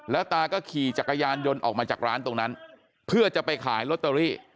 ตาก็ขี่จักรยานยนต์ออกมาจากร้านตรงนั้นเพื่อจะไปขายลอตเตอรี่